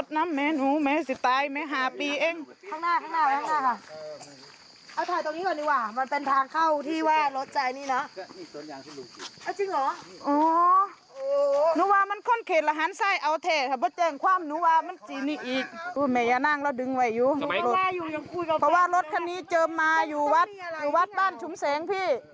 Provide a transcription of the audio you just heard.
นั่งแล้วดึงไว้อยู่เพราะว่ารถคันนี้เจอมาอยู่วัดวัดบ้านชุมแสงพี่